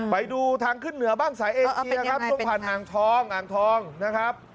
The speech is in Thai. ไปดูทางขึ้นเหนือบ้างสายเอเชียครับช่วงผ่านอ่างทองอ่างทองนะครับ